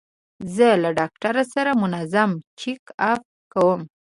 زه له ډاکټر سره منظم چیک اپ کوم.